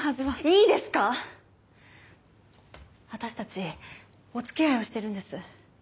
いいですか⁉私たちお付き合いをしてるんです。